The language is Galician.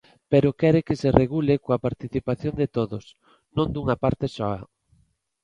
Pero quere que se regule coa participación de todos, non dunha parte soa.